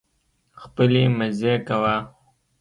خپلې مزې کوه